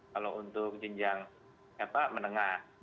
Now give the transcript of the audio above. kalau untuk jenjang menengah